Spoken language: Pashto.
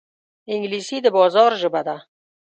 انګلیسي د بازار ژبه ده